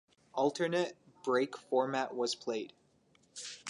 Alternate break format was played.